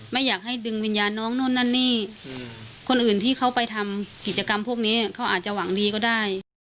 ไม่อยากให้ดึงวิญญาณน้องนู่นนั่นนี่คนอื่นที่เขาไปทำกิจกรรมพวกนี้เขาอาจจะหวังดีก็ได้